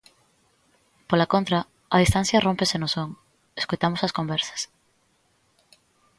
Pola contra, a distancia rómpese no son: escoitamos as conversas.